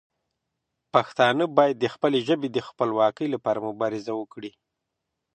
پښتانه باید د خپلې ژبې د خپلواکۍ لپاره مبارزه وکړي.